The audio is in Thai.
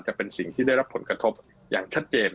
แต่เป็นสิ่งที่ได้รับผลกระทบอย่างชัดเจน